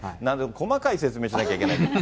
細かく説明しなきゃいけない。